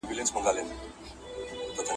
قافله راځي ربات ته که تېر سوي کاروانونه؟٫